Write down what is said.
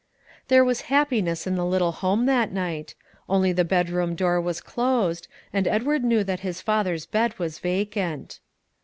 There was happiness in the little home that night; only the bedroom door was closed, and Edward knew that his father's bed was vacant.